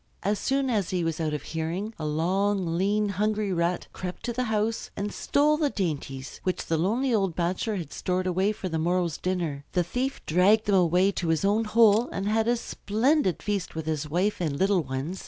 As soon as he was out of hearing a long, lean, hungry Rat crept to the house and stole the dainties which the lonely old bachelor had stored away for the morrow's dinner. The thief dragged them away to his own hole and had a splendid feast with his wife and little ones.